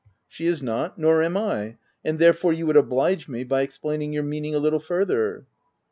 "" She is not, nor am I ; and therefore, you would oblige me by explaining your meaning a little further.